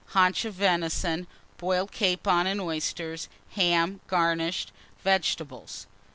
Haunch of Venison. Boiled Capon and Oysters. Ham, garnished. Vegetables.